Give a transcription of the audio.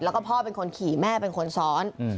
แล้วก็พ่อเป็นคนขี่แม่เป็นคนซ้อน